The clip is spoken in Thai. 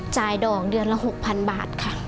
จ่ายดอกเดือนละ๖๐๐๐บาทค่ะ